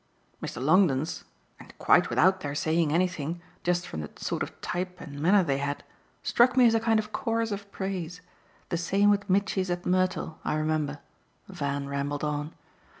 Mr. Longdon's and quite without their saying anything; just from the sort of type and manner they had struck me as a kind of chorus of praise. The same with Mitchy's at Mertle, I remember," Van rambled on.